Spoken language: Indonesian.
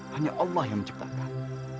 hanya allah yang menciptakan